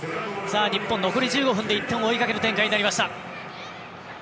日本、残り１５分で１点を追いかける展開になりました。